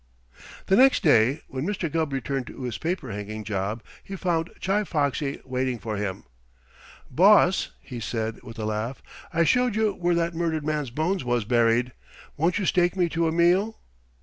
The next day, when Mr. Gubb returned to his paper hanging job he found Chi Foxy waiting for him. "Boss," he said with a laugh, "I showed you where that murdered man's bones was buried, won't you stake me to a meal?"